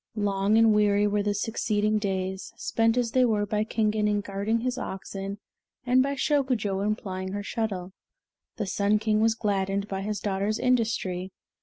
Long and weary were the succeeding days, spent as they were by Kingen in guiding his oxen and by Shokujo in plying her shuttle. The Sun King was gladdened by his daughter's industry.